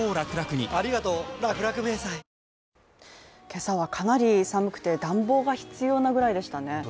今朝はかなり寒くて暖房が必要なぐらいでしたね。